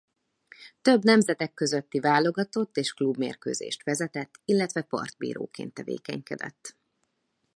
Több nemzetek közötti válogatott és klubmérkőzést vezetett illetve partbíróként tevékenykedett.